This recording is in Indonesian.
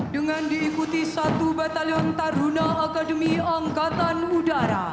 dengan diikuti oleh satu batalion taruna akademi angkatan laut